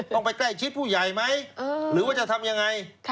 ต้องไปใกล้ชิดผู้ใหญ่ไหมหรือว่าจะทำยังไง